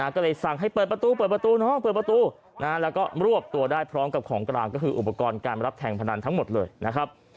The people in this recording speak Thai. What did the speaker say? ก็เลยสั่งให้เปิดประตูแล้วก็รวบตัวได้พร้อมกับของการก็คืออุปกรณ์การรับแทงพนันทั้งหมดเลยนะครับ